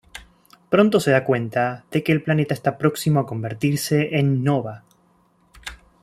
Pronto se da cuenta de que el planeta está próximo a convertirse en nova.